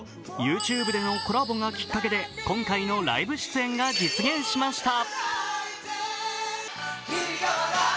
ＹｏｕＴｕｂｅでのコラボがきっかけで今回のライブ出演が実現しました。